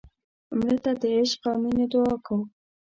مړه ته د عشق او مینې دعا کوو